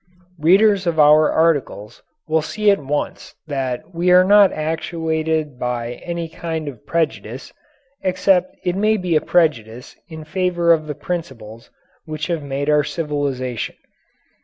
Readers of our articles will see at once that we are not actuated by any kind of prejudice, except it may be a prejudice in favor of the principles which have made our civilization.